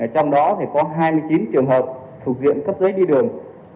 trong đó có hai mươi chín trường hợp thuộc diện cấp giấy đi đường